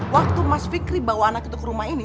waktu mas fikri bawa anak itu ke rumah ini